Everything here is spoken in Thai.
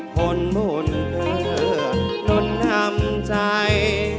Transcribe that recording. คนบุญเผื่อนุ่นนำใจ